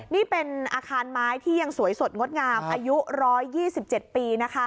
นี่เป็นอาคารไม้ที่ยังสวยสดงดงามอายุ๑๒๗ปี